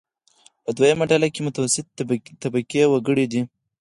په دویمه ډله کې متوسطې طبقې وګړي دي.